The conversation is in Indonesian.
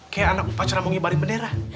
kayak anak pacaran mau ngibari menerah